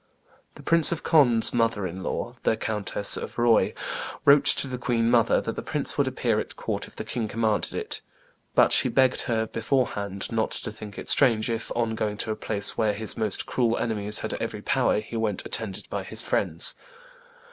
The Prince of Conde's mother in law, the Countess of Roye, wrote to the queen mother that the prince would appear at court if the king commanded it; but she begged her beforehand not to think it strange if, on going to a place where his most cruel enemies had every power, he went attended by his friends.